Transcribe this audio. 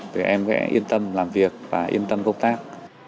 vì em phải yên tâm làm việc và yên tâm công tác